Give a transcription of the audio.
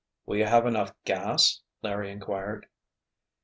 "Will you have enough gas?" Larry inquired.